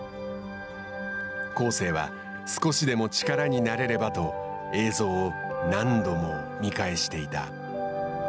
恒成は少しでも力になれればと映像を何度も見返していた。